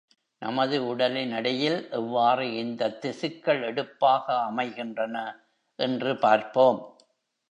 நமது உடலின் எடையில் எவ்வாறு இந்த திசுக்கள் எடுப்பாக அமைகின்றன என்று பார்ப்போம்.